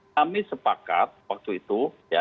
kami sepakat waktu itu